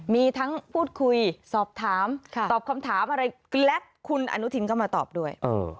มีทั้งพูดคุยสอบถามตอบคำถามอะไรและคุณอนุทินก็มาตอบด้วย